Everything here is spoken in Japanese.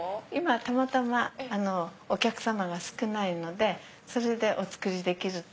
たまたまお客さまが少ないのでそれでお作りできると。